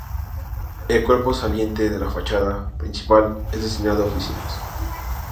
El cuerpo saliente de la fachada principal es destinado a oficinas.